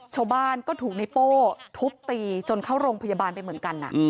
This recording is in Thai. ชาวบ้านก็ถูกในโป้ทุบตีจนเข้าโรงพยาบาลไปเหมือนกัน